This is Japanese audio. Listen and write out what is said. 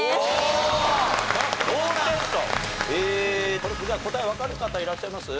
これじゃあ答えわかる方いらっしゃいます？